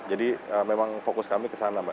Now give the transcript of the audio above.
jadi memang fokus kami kesana mbak